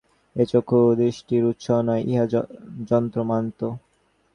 এই চক্ষু দৃষ্টির উৎস নয়, ইহা যন্ত্রমাত্র।